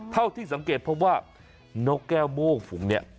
เท่าที่สังเกตเพราะว่านกแก้วโม่งฝูงเนี่ย